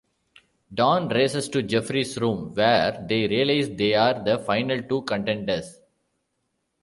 Dawn races to Jeffrey's room, where they realize they are the final two Contenders.